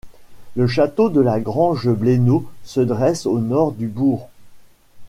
Le château de La Grange-Bléneau se dresse au nord du bourg.